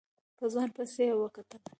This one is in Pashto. په ځوان پسې يې وکتل.